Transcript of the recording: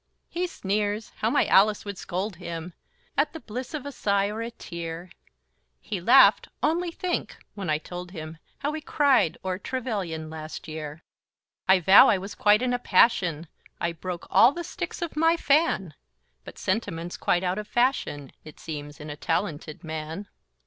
He sneers, how my Alice would scold him! At the bliss of a sigh or a tear; He laughed only think! when I told him How we cried o'er Trevelyan last year; I vow I was quite in a passion; I broke all the sticks of my fan; But sentiment's quite out of fashion, It seems, in a talented man.